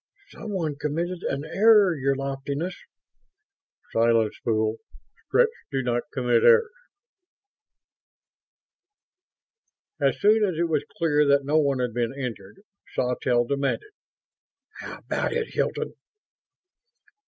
"Someone committed an error, Your Loftiness?" "Silence, fool! Stretts do not commit errors!" As soon as it was clear that no one had been injured, Sawtelle demanded, "How about it, Hilton?"